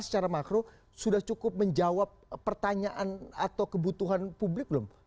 tapi paling tidak hal hal yang besar secara makro sudah cukup menjawab pertanyaan atau kebutuhan publik belum